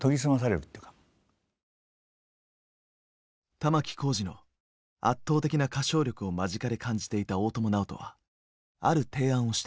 玉置浩二の圧倒的な歌唱力を間近で感じていた大友直人はある提案をした。